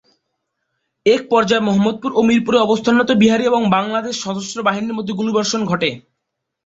এক পর্যায়ে মোহাম্মদপুর ও মিরপুরে অবস্থানরত বিহারি ও বাংলাদেশ সশস্ত্র বাহিনীর মধ্যে গুলিবর্ষণ ঘটে।